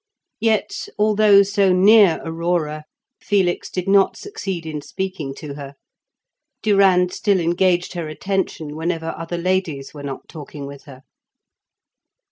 Yet, although so near Aurora, Felix did not succeed in speaking to her; Durand still engaged her attention whenever other ladies were not talking with her.